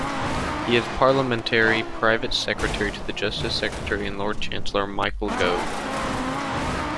He is Parliamentary Private Secretary to the Justice Secretary and Lord Chancellor, Michael Gove.